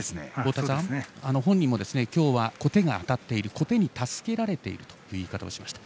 太田さん、本人も今日は小手が当たっている小手に助けられているという言い方をしました。